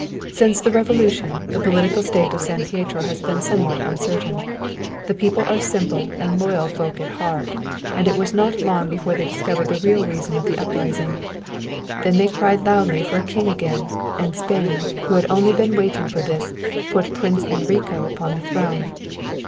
"Since the revolution, the political state of San Pietro has been somewhat uncertain. The people are simple and loyal folk at heart, and it was not long before they discovered the real reason of the uprising. Then they cried loudly for a king again, and Spain, who had only been waiting for this, put Prince Enrico upon the throne.